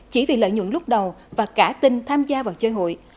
chỉ vì lợi nhuận lúc đầu và cả tinh tham gia vào chơi hụi